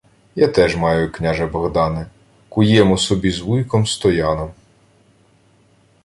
— Я теж маю, княже Богдане. Куємо собі з вуйком Стояном.